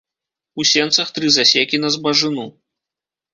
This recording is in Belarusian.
У сенцах тры засекі на збажыну.